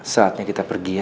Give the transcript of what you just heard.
saatnya kita pergi ya